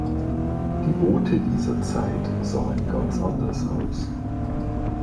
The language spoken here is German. Die Boote dieser Zeit sahen ganz anders aus.